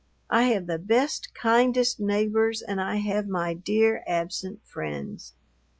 I have the best, kindest neighbors and I have my dear absent friends.